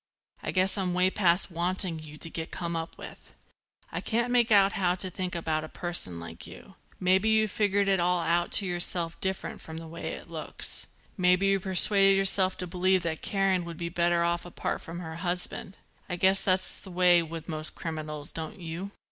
I guess I'm way past wanting you to get come up with. I can't make out how to think about a person like you. Maybe you figured it all out to yourself different from the way it looks. Maybe you persuaded yourself to believe that Karen would be better off apart from her husband. I guess that's the way with most criminals, don't you?